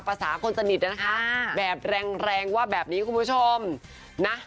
ภาษาคนสนิทนะคะแบบแรงแรงว่าแบบนี้คุณผู้ชมนะ